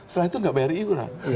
setelah itu nggak bayar iuran